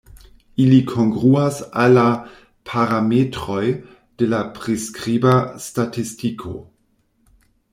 Ili kongruas al la "parametroj" de la priskriba statistiko.